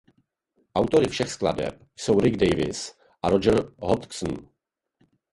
Autory všech skladeb jsou Rick Davies a Roger Hodgson.